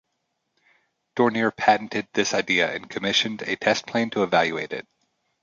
Dornier patented this idea and commissioned a test plane to evaluate it.